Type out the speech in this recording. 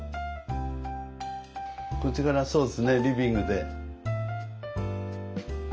こちらがそうですねリビングで。